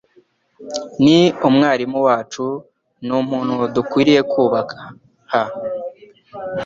Ni umwarimu wacu numuntu dukwiye kubaha.